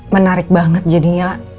menarik banget jadinya